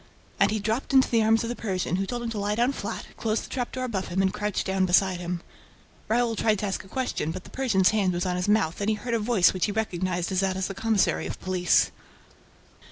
And he dropped into the arms of the Persian, who told him to lie down flat, closed the trap door above him and crouched down beside him. Raoul tried to ask a question, but the Persian's hand was on his mouth and he heard a voice which he recognized as that of the commissary of police.